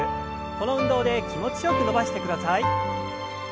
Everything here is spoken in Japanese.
この運動で気持ちよく伸ばしてください。